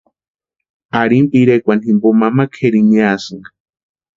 Ari pirekwani jimpo mama kʼerini miasïnka.